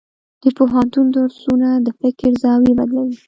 د پوهنتون درسونه د فکر زاویې بدلوي.